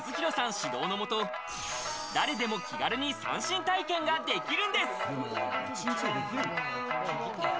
指導のもと、誰でも気軽に三線体験ができるんです。